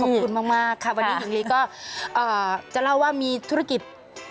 ขอบคุณมากค่ะวันนี้หญิงลีก็จะเล่าว่ามีธุรกิจ